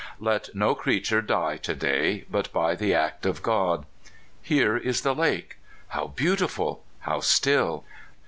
Let no creature die to day but by the act of God. Here is the lake. How beautiful ! how still